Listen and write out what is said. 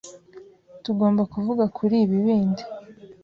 Tugomba kuvuga kuri ibi bindi.